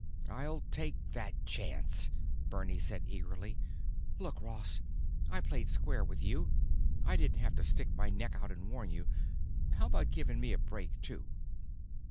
"I'll take that chance," Bernie said earnestly. "Look, Ross, I played square with you. I didn't have to stick my neck out and warn you. How about giving me a break too?"